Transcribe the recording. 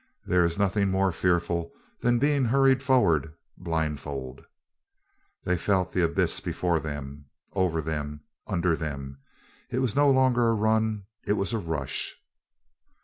There is nothing more fearful than being hurried forward blindfold. They felt the abyss before them, over them, under them. It was no longer a run, it was a rush.